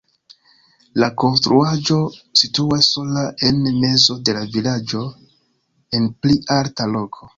La konstruaĵo situas sola en mezo de la vilaĝo en pli alta loko.